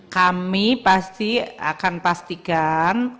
kami pasti akan pastikan